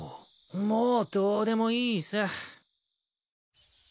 もうどうでもいいさ。